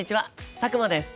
佐久間です。